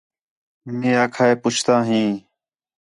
مئے آکھا ہِِے پُچھتا ہیں